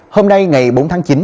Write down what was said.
hôm nay ngày bốn tháng chín